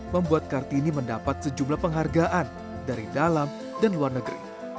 membuat kartini mendapat sejumlah penghargaan dari dalam dan luar negeri